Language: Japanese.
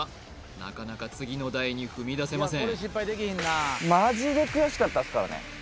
なかなか次の台に踏み出せません